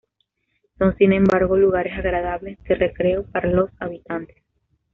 Son, sin embargo, lugares agradables de recreo para los habitantes.